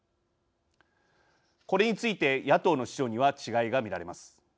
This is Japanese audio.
これについて野党の主張には違いが見られます。